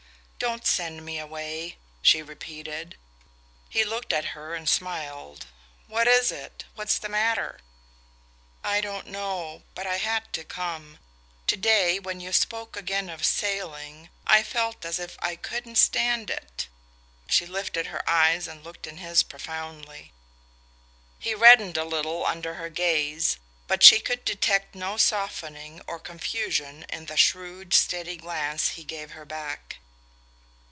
"Don't send me away," she repeated. He looked at her and smiled. "What is it? What's the matter?" "I don't know but I had to come. To day, when you spoke again of sailing, I felt as if I couldn't stand it." She lifted her eyes and looked in his profoundly. He reddened a little under her gaze, but she could detect no softening or confusion in the shrewd steady glance he gave her back.